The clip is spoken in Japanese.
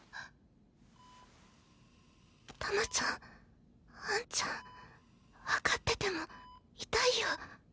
タマちゃん杏ちゃん分かってても痛いよ。